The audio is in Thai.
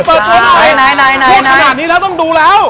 พูดขนาดนี้แล้วต้องดูแล้ว